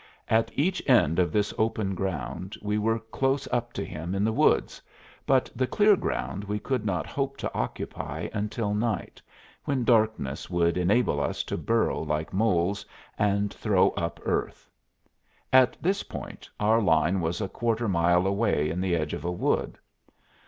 At each end of this open ground we were close up to him in the woods, but the clear ground we could not hope to occupy until night, when darkness would enable us to burrow like moles and throw up earth. At this point our line was a quarter mile away in the edge of a wood.